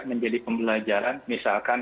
menjadi pembelajaran misalkan